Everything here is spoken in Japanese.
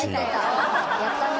やったね。